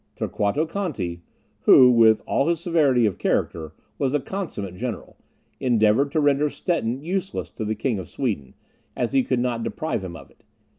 Torquato Conti, who, with all his severity of character, was a consummate general, endeavoured to render Stettin useless to the king of Sweden, as he could not deprive him of it.